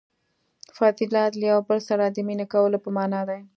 • فضیلت له یوه بل سره د مینې کولو په معنیٰ دی.